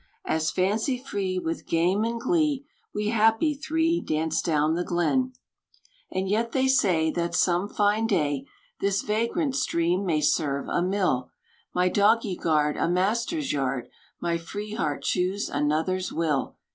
As, fancy free, With game and glee, We happy three Dance down the glen. And yet they say that some fine day This vagrant stream may serve a mill; My doggy guard a master's yard; My free heart choose another's will.